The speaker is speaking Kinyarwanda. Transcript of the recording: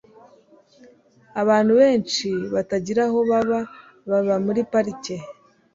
abantu benshi batagira aho baba baba muri parike